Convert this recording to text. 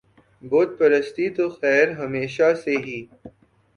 بت پرستی تو خیر ہمیشہ سے ہی